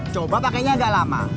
coba pakainya agak lama